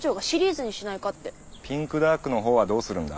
「ピンクダーク」のほうはどうするんだ。